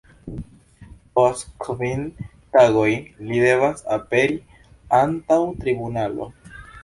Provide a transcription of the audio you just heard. Post kvin tagoj li devas aperi antaŭ tribunalo.